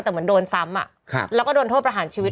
แต่เหมือนโดนซ้ำแล้วก็โดนโทษประหารชีวิต